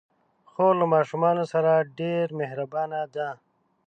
خور له ماشومانو سره ډېر مهربانه ده.